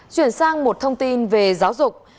chuyển sang một thông tin về giáo dục